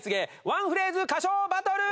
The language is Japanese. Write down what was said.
ワンフレーズ歌唱バトル！